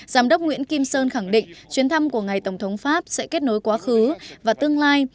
giám đốc nguyễn kim sơn khẳng định chuyến thăm của ngài tổng thống pháp sẽ kết nối quá khứ và tương lai